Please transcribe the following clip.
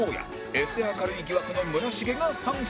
エセ明るい疑惑の村重が参戦